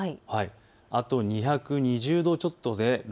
あと２２０度ちょっとですね。